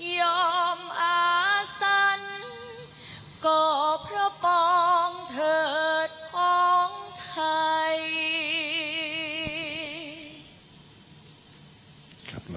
อาสันก็เพราะปองเถิดของไทย